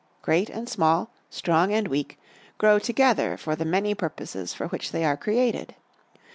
Great and small, strong and weak, grow together for the many purposes for which they are created.